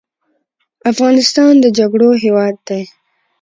افغانستان د جګړو هیواد دی